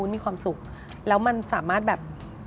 มีความสุขแล้วมันสามารถแบบ